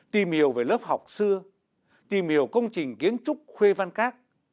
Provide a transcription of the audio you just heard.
tìm hiểu về lớp học xưa tìm hiểu công trình kiến trúc khuê văn các